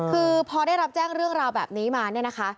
คือพอได้รับแจ้งเรื่องราวแบบนี้มาเนี่ยนะคะ